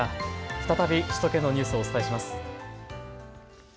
再び首都圏のニュースをお伝えします。